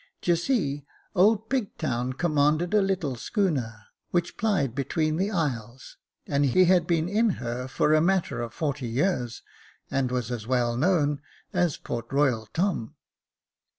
D'ye see, old Pigtown commanded a little schooner, which plied between the isles, and he had been in her for a matter of forty years, and was as well known as Port Royal Tom."